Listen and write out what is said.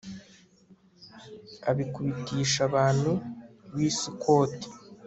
abikubitisha abantu b'i sukoti